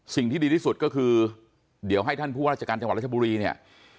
สิ่งที่ดีที่สุดก็คือเดี๋ยวให้ท่านผู้ว่าราชการจังหวัดรัชบุรีเนี่ย